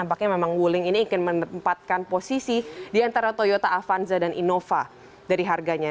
jadi memang wuling ini akan menempatkan posisi di antara toyota avanza dan innova dari harganya